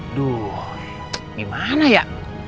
aduh gimana ya